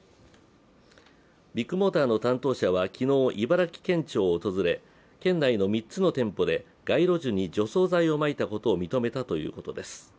ビッグモーターの担当者は、昨日茨城県庁を訪れ県内の３つの店舗で街路樹に除草剤をまいたことを認めたということです。